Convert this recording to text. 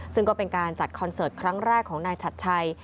ซึ่งก็เป็นการจัดคอนเสิร์ตครั้งแรกของนายชัดชัย